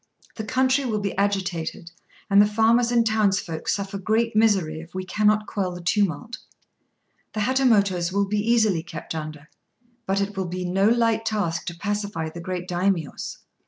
The country will be agitated, and the farmers and townsfolk suffer great misery, if we cannot quell the tumult. The Hatamotos will be easily kept under, but it will be no light task to pacify the great Daimios.